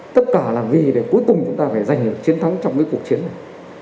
tất cả là vì để cuối cùng chúng ta phải giành được chiến thắng trong cái cuộc chiến này